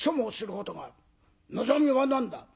「望みは何だ？」。